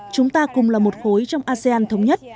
chúng ta cùng là một khối trong asean thống nhất